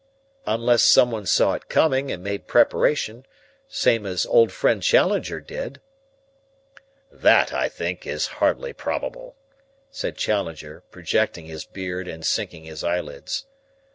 "Unless someone saw it coming and made preparation, same as old friend Challenger did." "That, I think, is hardly probable," said Challenger, projecting his beard and sinking his eyelids.